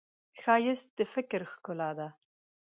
ښایست د فکر ښکلا ده